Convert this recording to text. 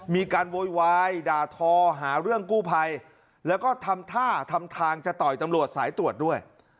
โวยวายด่าทอหาเรื่องกู้ภัยแล้วก็ทำท่าทำทางจะต่อยตำรวจสายตรวจด้วย